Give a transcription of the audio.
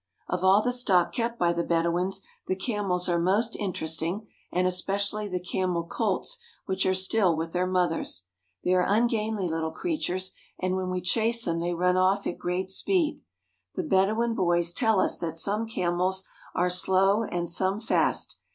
Of all the stock kept by the Bedouins, the camels are most interesting and especially the camel colts which are still with their mothers. They are ungainly little creatures, and when we chase them they run off at great speed. The Bedouin boys tell us that some camels are slow and some fast.